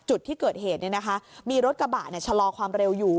จุดที่เกิดเหตุเนี่ยนะคะมีรถกระบะเนี่ยชะลอความเร็วอยู่